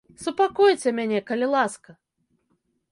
Супакойце мяне, калі ласка!